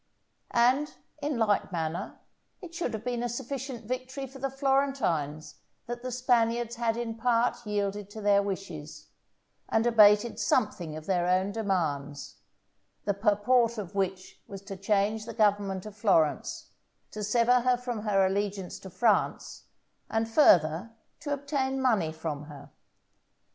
And, in like manner, it should have been a sufficient victory for the Florentines that the Spaniards had in part yielded to their wishes, and abated something of their own demands, the purport of which was to change the government of Florence, to sever her from her allegiance to France, and, further, to obtain money from her.